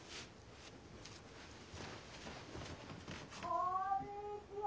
・こんにちは！